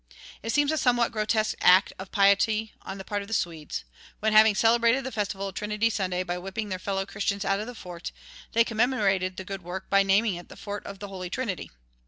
It seems a somewhat grotesque act of piety on the part of the Swedes, when, having celebrated the festival of Trinity Sunday by whipping their fellow Christians out of the fort, they commemorated the good work by naming it the Fort of the Holy Trinity.